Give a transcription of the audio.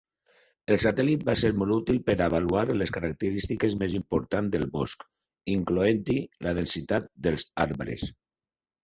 El satèl·lit va ser molt útil per avaluar les característiques més important del bosc, incloent-hi la densitat dels arbres.